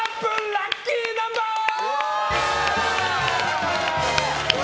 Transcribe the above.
ラッキーナンバーズ！